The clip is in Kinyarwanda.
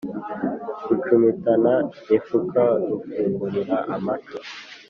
Rucumitanamifuka rufungulira amaco,